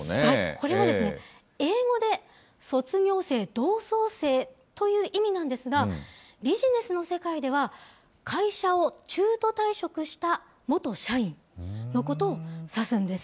これは英語で卒業生、同窓生という意味なんですが、ビジネスの世界では、会社を中途退職した元社員のことを指すんです。